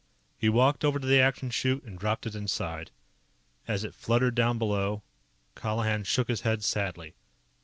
He walked over to the Action Chute and dropped it inside. As it fluttered down below, Colihan shook his head sadly.